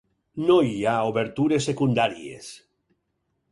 No hi ha obertures secundàries.